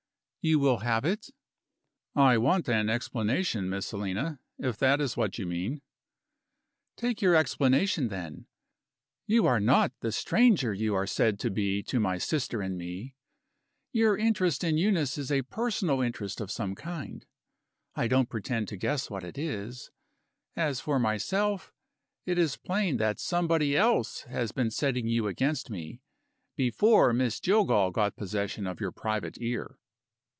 "You will have it?" "I want an explanation, Miss Helena, if that is what you mean." "Take your explanation, then! You are not the stranger you are said to be to my sister and to me. Your interest in Eunice is a personal interest of some kind. I don't pretend to guess what it is. As for myself, it is plain that somebody else has been setting you against me, before Miss Jillgall got possession of your private ear."